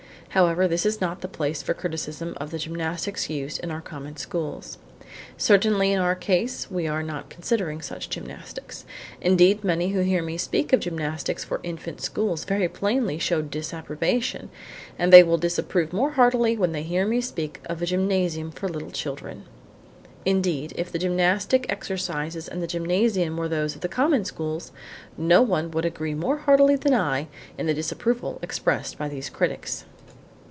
However, this is not the place for criticism of the gymnastics used in our common schools. Certainly in our case we are not considering such gymnastics. Indeed, many who hear me speak of gymnastics for infant schools very plainly show disap probation and they will disapprove more heartily when they hear me speak of a gymnasium for little children. Indeed, if the gymnastic exercises and the gymnasium were those of the common schools, no one would agree more heartily than I in the disapproval expressed by these critics.